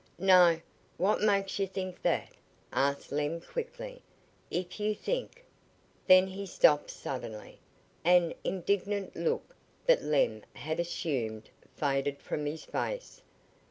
"No. What made you think that?" asked Lem quickly. "If you think " Then he stopped suddenly. An indignant look, that Lem had assumed, faded from his face.